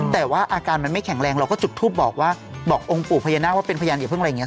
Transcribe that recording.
แต่ว่าอาการมันไม่แข็งแรงเราก็จุดทูปบอกว่าบอกองค์ปู่พญานาคว่าเป็นพยานอย่าเพิ่งอะไรอย่างนี้